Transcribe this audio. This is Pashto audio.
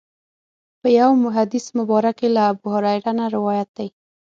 په یو حدیث مبارک کې له ابوهریره نه روایت دی.